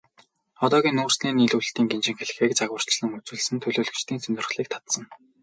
Одоогийн нүүрсний нийлүүлэлтийн гинжин хэлхээг загварчлан үзүүлсэн нь төлөөлөгчдийн сонирхлыг татсан.